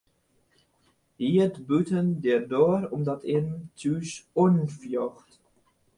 Hy yt bûten de doar omdat it him thús oanfljocht.